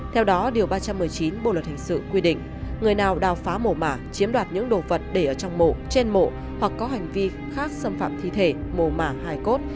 theo đó điều ba trăm một mươi chín bộ luật hình sự quy định người nào đào phá mổ mả chiếm đoạt những đồ vật để ở trong mộ trên mộ hoặc có hành vi khác xâm phạm thi thể mồ mả hải cốt